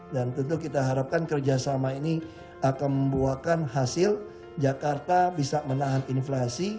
dan tentu kita harapkan kerjasama ini akan membuahkan hasil jakarta bisa menahan inflasi